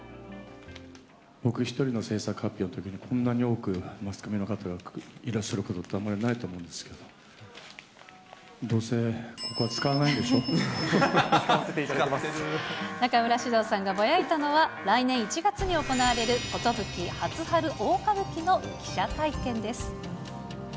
僕１人の制作発表のときにこんなに多く、マスコミの方がいらっしゃることはあまりないと思うんですけど、どうせここは使わな中村獅童さんがぼやいたのは、来年１月に行われる壽初春大歌舞伎の記者会見です。